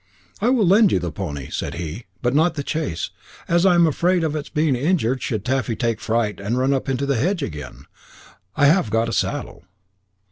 "I will lend you the pony," said he, "but not the chaise, as I am afraid of its being injured should Taffy take fright and run up into the hedge again. I have got a saddle."